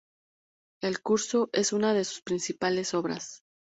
El "Curso" es una de sus principales obras.